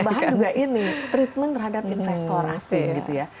tambahan juga ini treatment terhadap investor asing gitu ya